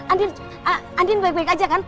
andien andien baik baik aja kan